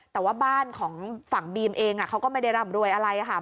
แต่ว่าบ้านของฝั่งบีมเองเขาก็ไม่ได้ร่ำรวยอะไรค่ะ